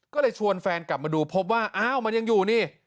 ก็เลยชวนแฟนกลับมาดูพบว่าอ้าวมันยังอยู่นี่